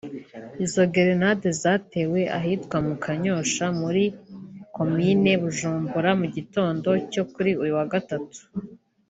Izo gerenade zatewe ahitwa mu Kanyosha muri Komine Bujumbura mu gitondo cyo kuri uyu wa gatatu